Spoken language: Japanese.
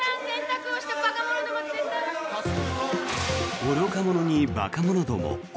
愚か者に馬鹿者ども。